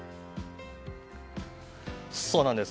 そうなんです。